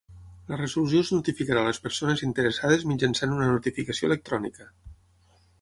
La resolució es notificarà a les persones interessades mitjançant una notificació electrònica.